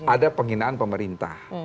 ada pengginaan pemerintah